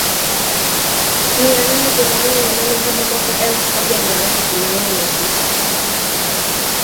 mia nane themanini na nane hadi mwaka elfu moja mia nane themanini na tisa